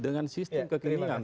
dengan sistem kekinian